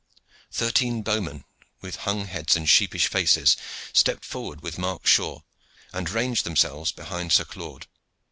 Thirteen bowmen, with hung heads and sheepish faces, stepped forward with Mark Shaw and ranged themselves behind Sir Claude.